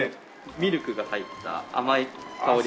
ミルクが入った甘い香りがね。